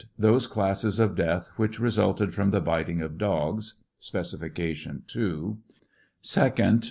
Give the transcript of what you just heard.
Those cases of death which resulted from the biting of dogs. (Specification II.) Second.